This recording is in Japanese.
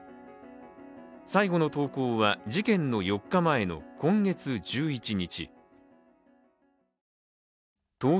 最後の投稿は事件の４日前の今月１１日。